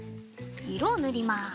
いろをぬります。